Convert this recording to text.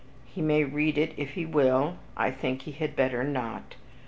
He may read it if he will; I think he had better not.